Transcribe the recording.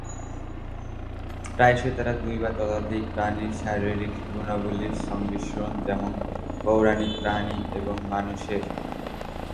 প্রায়শই তারা দুই বা ততোধিক প্রাণীর শারীরিক গুণাবলীর সংমিশ্রণ যেমন পৌরাণিক প্রাণী এবং মানুষের।